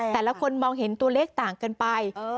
แต่ละคนมองเห็นตัวเลขต่างกันไป